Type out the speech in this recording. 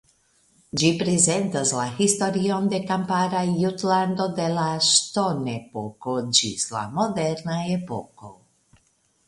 Ĝi prezentas la historion de kampara Jutlando de la ŝtonepoko ĝis la moderna epoko.